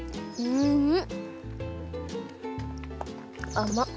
あまっ。